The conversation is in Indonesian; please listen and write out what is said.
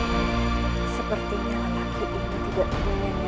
manis sekali cara kehilangannya